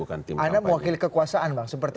anda mewakili kekuasaan